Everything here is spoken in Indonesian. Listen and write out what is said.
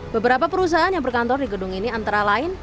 beberapa perusahaan yang berkantor di gedung ini antara lain